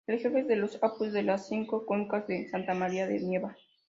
Es jefe de los Apus de las cinco Cuencas de Santa María de Nieva.